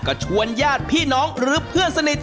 ก็ชวนญาติพี่น้องหรือเพื่อนสนิท